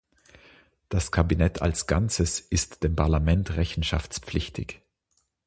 Das Kabinett als Ganzes ist dem Parlament rechenschaftspflichtig.